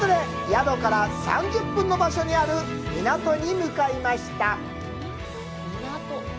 宿から３０分の場所にある港に向かいました。